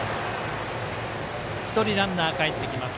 １人、ランナーかえってきます。